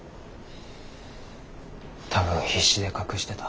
多分必死で隠してた。